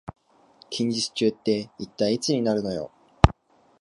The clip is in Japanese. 近日中って一体いつになるのよ